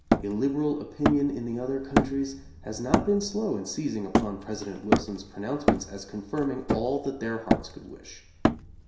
Illiberal opinion in the other countries has not been slow in seizing upon President Wilson's pronouncements as confirming all that their hearts could wish.